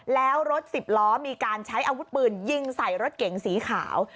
แล้วรถสิบล้อมีการใช้อาวุธปืนยิงใส่รถเก๋งสีขาว